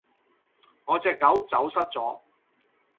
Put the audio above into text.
我隻狗走失咗